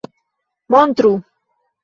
montru